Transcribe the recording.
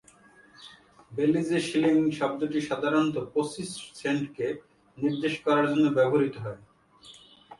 বেলিজে, "shilling" শব্দটি সাধারণত পঁচিশ সেন্টকে নির্দেশ করার জন্য ব্যবহৃত হয়।